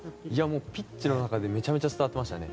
ピッチの中でめちゃめちゃ伝わってましたね。